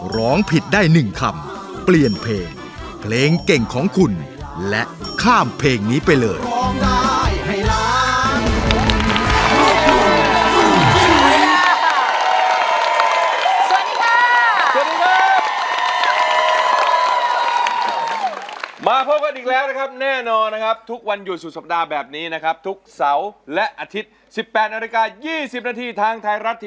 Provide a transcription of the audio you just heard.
ร้องผิดได้๑คำเปลี่ยนเพลงเพลงเก่งของคุณและข้ามเพลงนี้ไปเลย